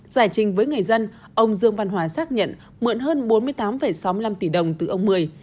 giải trình với người dân ông dương văn hòa xác nhận mượn hơn bốn mươi tám sáu mươi năm tỷ đồng từ ông mười